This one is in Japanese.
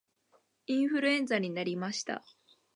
インフルエンザになりました